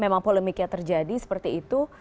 memang polemiknya terjadi seperti itu